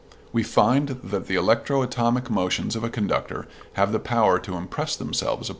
We find that the electro atomic motions of a conductor have the power to impress themselves upon the ether.